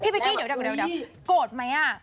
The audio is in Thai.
พี่เป๊กกี้เดี๋ยวโกรธไหม